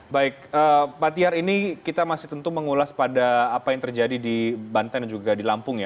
baik pak tiar ini kita masih tentu mengulas pada apa yang terjadi di banten dan juga di lampung ya